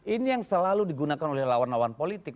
ini yang selalu digunakan oleh lawan lawan politik